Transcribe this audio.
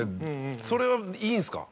それはいいんですか？